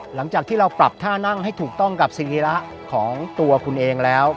หลังจากที่เราปรับท่านั่งให้ถูกต้องกับสรีระของตัวคุณเองแล้ว